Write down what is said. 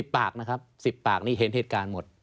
ปากนะครับ๑๐ปากนี่เห็นเหตุการณ์หมด